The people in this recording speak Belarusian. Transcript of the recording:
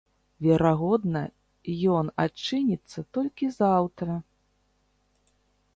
Верагодна, ён адчыніцца толькі заўтра.